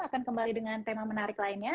akan kembali dengan tema menarik lainnya